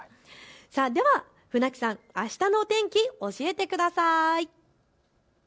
では船木さん、あしたの天気、教えてください。